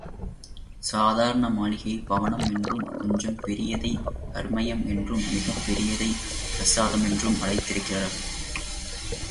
சாதாரண மாளிகையை பவனம் என்றும், கொஞ்சம் பெரியதை ஹர்மயம் என்றும் மிகப் பெரியதை பிரசாதம் என்றும் அழைத்திருக்கிறார்கள்.